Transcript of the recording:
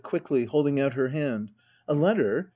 [Quickfy, holding out her hand,} A letter